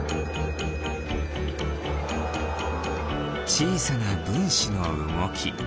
ちいさなぶんしのうごき。